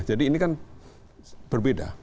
jadi ini kan berbeda